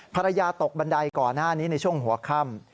ภรรยาตกบันไดก่อนหน้านี้ในช่วงหัวค่ำ